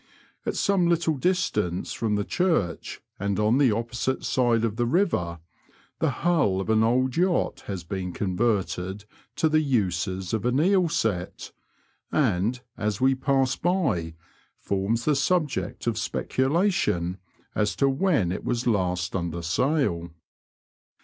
At some little distance from the 'Church, and on the opposite side of the river, the hull of an old yacht has been converted to the uses of an eel set, and, as we pass by, forms the subject of speculation as to when it was last under sail.